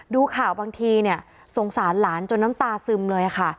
ดูข่าวบางทีเนี่ยสงสารหลานจนน้ำตาซึมเลยค่ะ